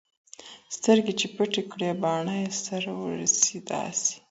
سترګي چي پټي كړي باڼه يې سره ورسي داسـي